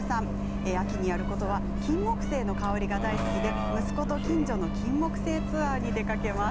秋にやることはキンモクセイの香りが大好きで息子と近所のキンモクセイツアーに出かけます。